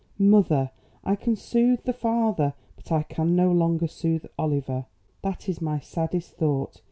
"Mother, I can soothe the father, but I can no longer soothe Oliver. That is my saddest thought.